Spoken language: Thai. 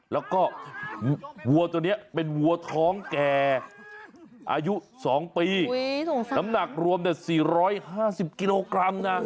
แล้วก็วัวตัวเนี้ยเป็นวัวท้องแก่อายุสองปีอุ้ยสงสารน้ำหนักรวมแต่สี่ร้อยห้าสิบกิโลกรัมน่ะ